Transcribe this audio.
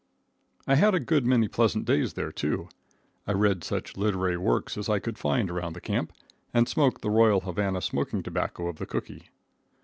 I had a good many pleasant days there, too. I read such literary works as I could find around the camp, and smoked the royal Havana smoking tobacco of the cookee.